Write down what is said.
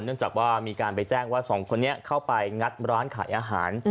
เนื่องจากว่ามีการไปแจ้งว่าสองคนนี้เข้าไปงัดร้านขายอาหาร